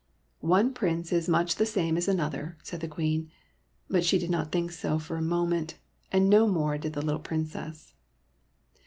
One prince is much the same as another," said the Queen ; but she did not think so for a moment, and no more did the little Princess.